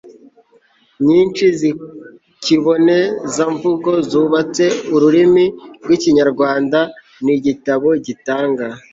nyinshi z'ikibonezamvugo zubatse ururimi rw'ikinyarwanda. ni igitabo gitanga